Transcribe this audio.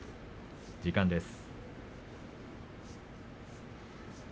時間です。